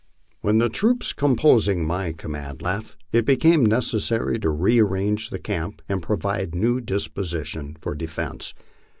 When the troops composing my command left, it became necessary to rearrange the camp and provide new dispositions for defence.